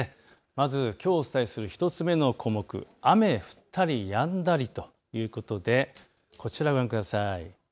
まずきょうお伝えする１つ目の項目、雨降ったりやんだりということでこちらをご覧ください。